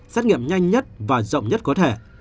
xét nghiệm nhanh nhất và rộng nhất có thể